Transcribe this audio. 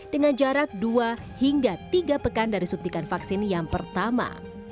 dengan jarak dua hingga tiga pekan dari suntikan vaksin yang pertama